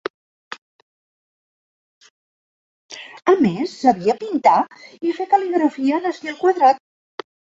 A més, sabia pintar i fer cal·ligrafia en estil quadrat.